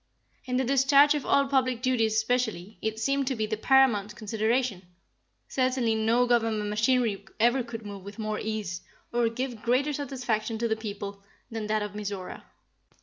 In the discharge of all public duties especially, it seemed to be the paramount consideration. Certainly no government machinery ever could move with more ease, or give greater satisfaction to the people, than that of Mizora.